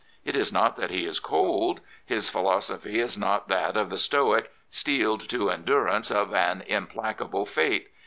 It is not that he is cold. His philosophy is not that of the Stoic, steeled to endurance of an implacable fate.